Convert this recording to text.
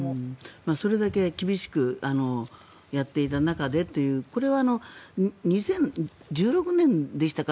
それだけ厳しくやっていた中でというこれは２０１６年でしたか。